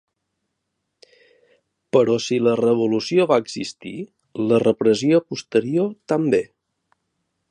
Però si la revolució va existir, la repressió posterior també.